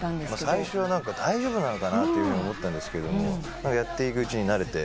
最初は大丈夫なのかなと思ったんですけどやっていくうちに慣れて。